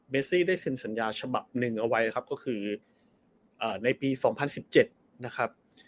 เมซี่ได้เซ็นสัญญาฉบับหนึ่งเอาไว้นะครับก็คืออ่าในปีสองพันสิบเจ็ดนะครับ